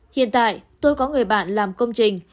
hiện tại tôi có người bạn làm công trình